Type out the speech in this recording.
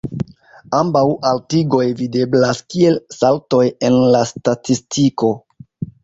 Ambaŭ altigoj videblas kiel saltoj en la statistiko.